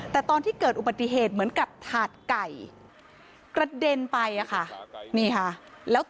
แต่ตอนที่เกิดอุบัติเหตุเหมือนกับถาดไก่กระเด็นไปอะค่ะนี่ค่ะแล้ว